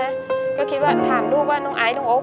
ยังไม่รอดแล้วใช่มั้ยก็ทำลูกว่าน้องไอ้น้องโอ๊ค